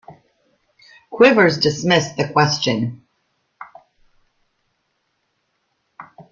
Quivers dismissed the question.